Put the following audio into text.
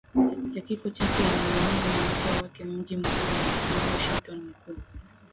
ya kifo chake yeye mwenyewe na mke wakeMji mkuu wa Marekani Washingtonmkuu